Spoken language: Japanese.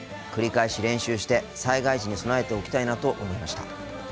繰り返し練習して災害時に備えておきたいなと思いました。